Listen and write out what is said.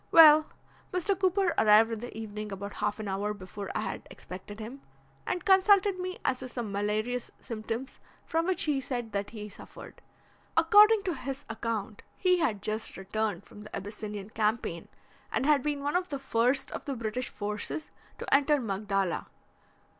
Well, Mr. Cooper arrived in the evening about half an hour before I had expected him, and consulted me as to some malarious symptoms from which he said that he suffered. According to his account he had just returned from the Abyssinian Campaign, and had been one of the first of the British forces to enter Magdala.